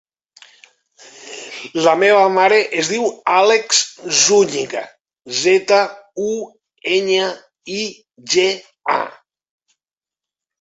La meva mare es diu Àlex Zuñiga: zeta, u, enya, i, ge, a.